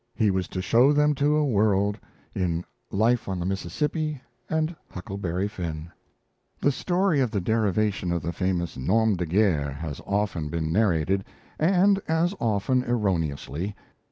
He was to show them to a world, in 'Life on the Mississippi' and 'Huckleberry Finn'. The story of the derivation of the famous nom de guerre has often been narrated and as often erroneously.